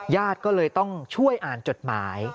ญาติก็เลยต้องช่วยอ่านจดหมาย